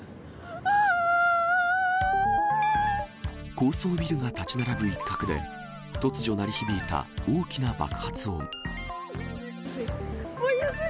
高層ビルが建ち並ぶ一角で、突如鳴り響いた大きな爆発音。